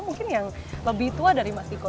mungkin yang lebih tua dari mas iko